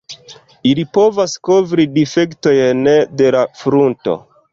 Ili povas kovri difektojn de la frunto.